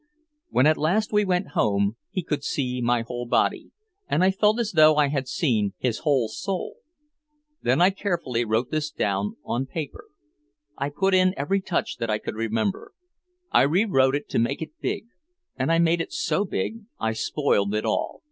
When at last we went home he could see my whole body, and I felt as though I had seen his whole soul. Then I carefully wrote this down on paper. I put in every touch that I could remember. I rewrote it to make it big, and I made it so big I spoiled it all.